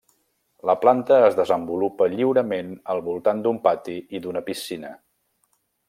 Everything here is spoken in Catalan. La planta es desenvolupa lliurement al voltant d'un pati i d'una piscina.